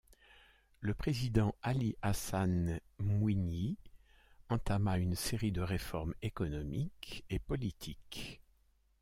Le président Ali Hassan Mwinyi entama une série de réformes économiques et politiques.